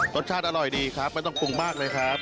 รสชาติอร่อยดีครับไม่ต้องปรุงมากเลยครับ